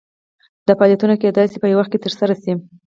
دا فعالیتونه کیدای شي په یو وخت ترسره شي.